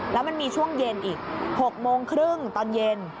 แล้วมันมีช่วงเย็นอีก๖โมงครึ่งตอนเย็น